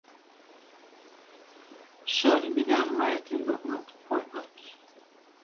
Sun began making government appointments.